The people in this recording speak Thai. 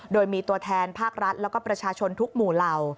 โดยมีตัวแทนภาครัฐแล้วก็ประชาชนทุกหมู่เหล่า